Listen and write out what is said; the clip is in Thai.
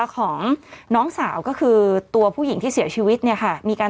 ของน้องสาวก็คือตัวผู้หญิงที่เสียชีวิตเนี่ยค่ะมีการ